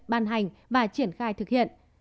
ban hành và triển khai thực hiện